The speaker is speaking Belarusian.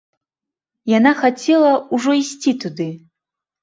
Яна хацела ўжо ісці туды.